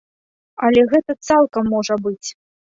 Але гэтак цалкам можа быць.